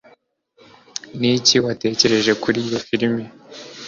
Ni iki watekereje kuri iyo filime